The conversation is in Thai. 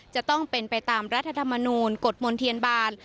จะต้องเป็นไปตามรัฐธรรมนูลกฎมลเทียนบาล